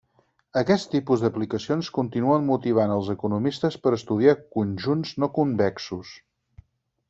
Aquest tipus d'aplicacions continuen motivant els economistes per estudiar conjunts no convexos.